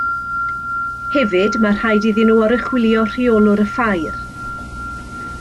Hefyd mae rhaid iddyn nhw oruchwylio rheolwr y ffair